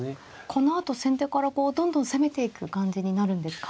このあと先手からどんどん攻めていく感じになるんですか。